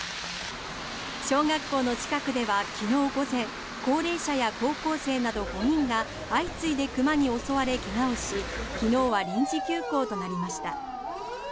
小学校の近くでは昨日午前高齢者や高校生など５人が相次いで熊に襲われ、怪我をし昨日は臨時休校となりました。